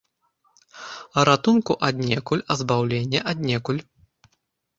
А ратунку аднекуль, а збаўлення аднекуль.